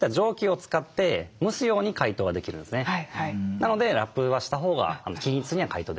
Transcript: なのでラップはしたほうが均一には解凍できますね。